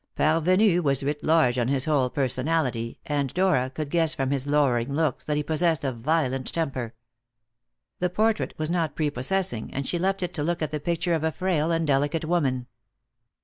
Parvenu was writ large on his whole personality, and Dora could guess from his lowering looks that he possessed a violent temper. The portrait was not prepossessing, and she left it to look at the picture of a frail and delicate woman.